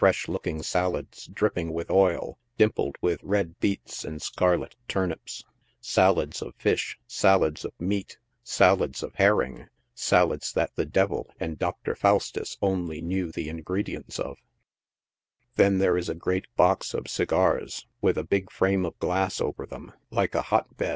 h looking salads dripping with oil, dimpled with red beets and scarlet turnips ; salads Offish, salads of meat, salads of herring, salads that the devil and Dr. Faustus only know the ingredients of; then there is a great box of segars, with a big frame of glass over them, like a WHERE GERMANS MOST DO CONGREGATE.